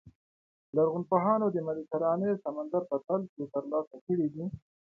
لرغونپوهانو د مدیترانې سمندر په تل کې ترلاسه کړي دي.